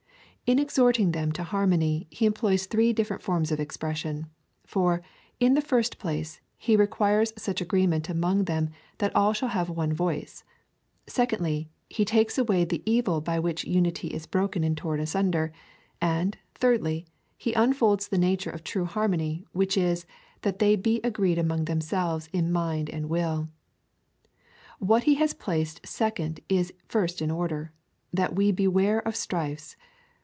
In exhorting them to harmony, he emjiloys three different forms of expression : for, in the first place, he requires such agreement among them that all shall have one voice ; secondly, he takes away the evil by which unity is broken and torn asunder ; and, thirdly, he unfolds the nature of true harmony, which is, that they be agreed among themselves in mind and will. What he has placed second is first in order, — that we beware of strifes.